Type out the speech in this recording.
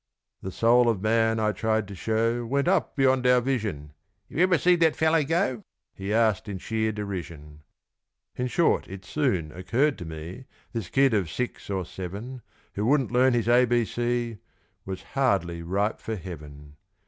The soul of man, I tried to show, Went up beyond our vision. "You ebber see dat fellow go?" He asked in sheer derision. In short, it soon occurred to me This kid of six or seven, Who wouldn't learn his A B C, Was hardly ripe for heaven.